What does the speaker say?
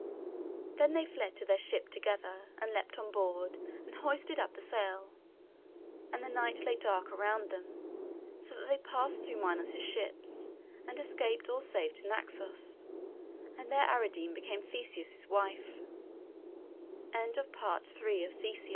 Then they fled to their ship together, and leapt on board, and hoisted up the sail; and the night lay dark around them, so that they passed through Minos' ships, and escaped all safe to Naxos; and there Ariadne became Theseus' wif